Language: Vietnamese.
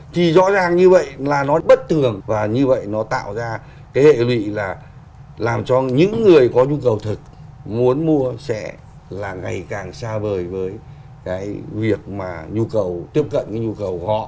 thì rõ ràng như vậy là nó bất thường và như vậy nó tạo ra cái hệ lụy là làm cho những người có nhu cầu thực muốn mua sẽ là ngày càng xa vời với cái việc mà nhu cầu tiếp cận cái nhu cầu của họ